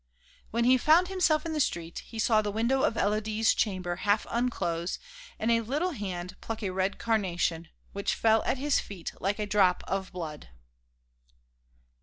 When he found himself in the street, he saw the window of Élodie's chamber half unclose and a little hand pluck a red carnation, which fell at his feet like a drop of blood.